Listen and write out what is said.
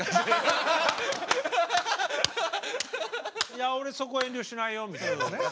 「いや俺そこは遠慮しないよ」みたいなね。